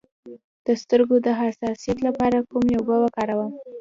د سترګو د حساسیت لپاره کومې اوبه وکاروم؟